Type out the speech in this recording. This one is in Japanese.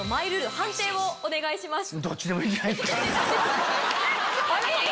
判定お願いしますよ！